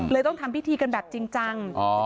ต้องทำพิธีกันแบบจริงจัง